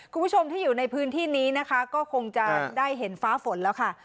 คุณผู้ชมที่อยู่ในพื้นที่นี้นะคะก็คงจะได้เห็นฟ้าฝนแล้วค่ะ